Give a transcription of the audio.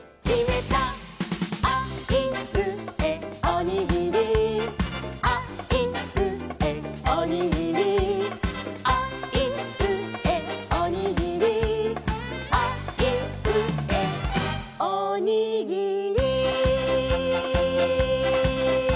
「あいうえおにぎり」「あいうえおにぎり」「あいうえおにぎり」「あいうえおにぎり」